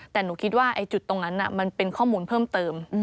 แต่หนูคิดว่าจุดตรงนั้นมันเป็นข้อมูลเพิ่มเติม